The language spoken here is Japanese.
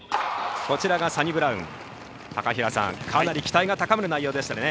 サニブラウン、かなり期待が高まる内容でしたね。